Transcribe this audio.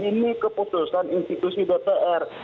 ini keputusan institusi dpr